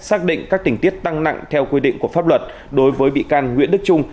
xác định các tình tiết tăng nặng theo quy định của pháp luật đối với bị can nguyễn đức trung